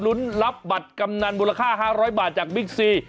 ลุ้นรับบัตรกำนันมูลค่า๕๐๐บาทจากบิ๊กซี